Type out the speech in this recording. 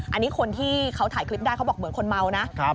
อันนี้คนที่เขาถ่ายคลิปได้เขาบอกเหมือนคนเมานะ